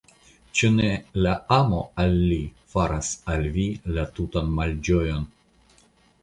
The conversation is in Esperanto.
Ĉu ne la amo al li faras al vi la tutan malĝojon?